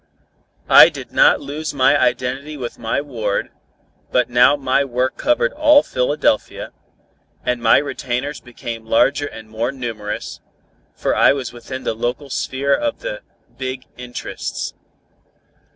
I did not lose my identity with my ward, but now my work covered all Philadelphia, and my retainers became larger and more numerous, for I was within the local sphere of the "big interests."